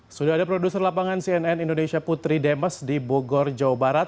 sudah ada produser lapangan cnn indonesia putri demes di bogor jawa barat